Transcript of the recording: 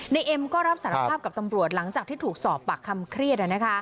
เอ็มก็รับสารภาพกับตำรวจหลังจากที่ถูกสอบปากคำเครียด